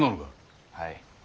はい。